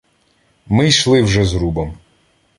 Ми йшли вже зрубом.